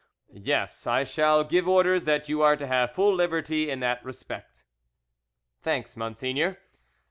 "Yes, I shall give orders that you are to have full liberty in that respect." "Thanks, monseigneur."